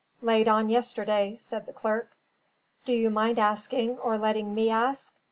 "Laid on yesterday," said the clerk. "Do you mind asking, or letting me ask?